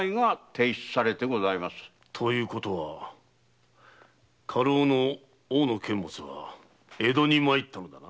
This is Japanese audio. ということは家老・大野監物は江戸に参ったのだな？